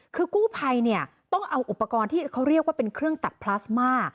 คือกู้ภัยเนี่ยต้องเอาอุปกรณ์ที่เขาเรียกว่าเป็นเครื่องตัดพลาสมา